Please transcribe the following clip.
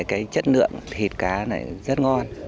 cái chất lượng thịt cá này rất ngon